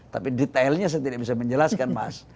tapi detailnya saya tidak bisa menjelaskan mas